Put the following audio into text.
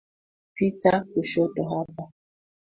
Pita kushoto hapa.